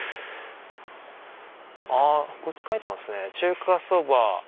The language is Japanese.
あこっち書いてますね「中華蕎麦」。